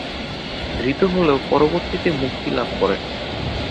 ধৃত হলেও পরবর্তীতে মুক্তিলাভ করেন।